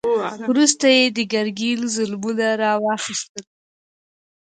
وروسته یې د ګرګین ظلمونه را واخیستل.